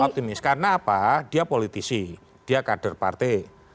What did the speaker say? optimis karena apa dia politisi dia kader partai